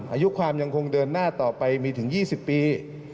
อายุความยังคงเดินหน้าต่อไปมีถึง๒๐ปี